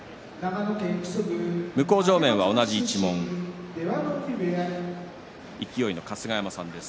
向正面は同じ一門勢の春日山さんです。